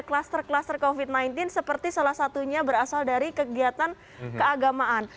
kluster kluster covid sembilan belas seperti salah satunya berasal dari kegiatan keagamaan